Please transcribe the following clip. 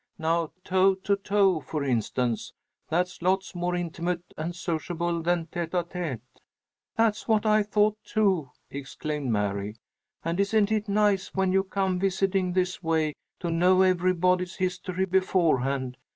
Now toe to toe, for instance. That's lots more intimate and sociable than tête à tête." "That's what I thought, too," exclaimed Mary. "And isn't it nice, when you come visiting this way, to know everybody's history beforehand!